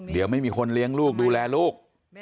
เดี๋ยวไม่มีคนเลี้ยงลูกดูแลลูก